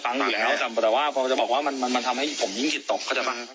ฟังอยู่แล้วแต่ว่าจะบอกว่ามันทำให้ผมยิ่งขิดตก